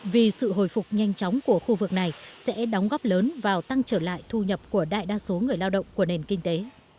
vì sự hồi phục nhanh chóng của khu vực này sẽ đóng góp lớn vào tăng trở lại thu nhập của đại đa số người lao động của nền kinh tế